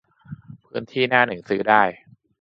- พื้นที่หน้าหนึ่งซื้อได้